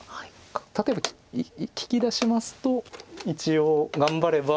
例えば利きだしますと一応頑張れば。